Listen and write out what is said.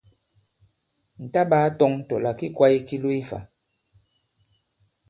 Ǹ ta-ɓāa-tɔ̄ŋ tɔ̀ là ki kwāye ki lo ifã.